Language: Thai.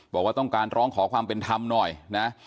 บอกว่าต้องการร้องขอความเป็นธรรมหน่อยนะ